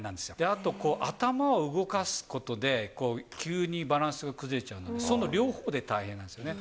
あと、頭を動かすことで、急にバランスが崩れちゃうので、その両方で大変なんですよね。